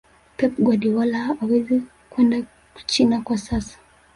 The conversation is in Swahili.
pep guardiola hawezi kwenda china kwa sasa